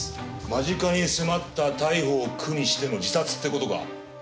間近に迫った逮捕を苦にしての自殺って事か。